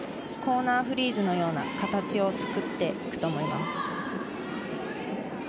コーナーフリーズのような形を作っていくと思います。